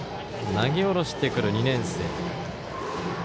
投げ下ろしてくる２年生。